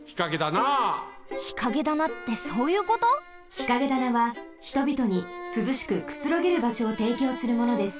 日陰棚はひとびとにすずしくくつろげるばしょをていきょうするものです。